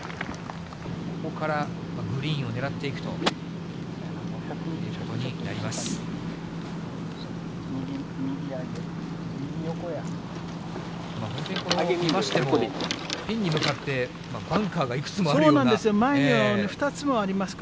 ここからグリーンを狙っていくということになります。